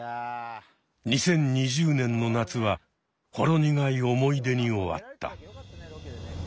２０２０年の夏はほろ苦い思い出に終わった。